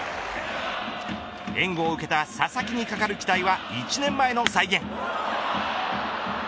援護を受けた佐々木に懸かる期待は１年前の再現。